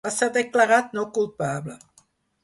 Va ser declarat no culpable.